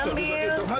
oke sudah ya